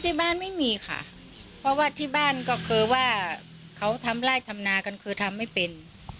ที่บ้านไม่มีค่ะเพราะว่าที่บ้านก็คือว่าเขาทำไล่ทำนากันคือทำไม่เป็น